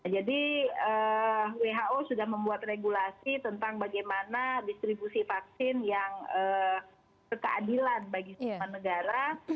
jadi who sudah membuat regulasi tentang bagaimana distribusi vaksin yang kekeadilan bagi semua negara